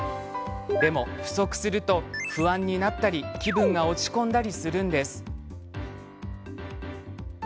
でも不足すると不安になったり気分が落ち込んだりするんです。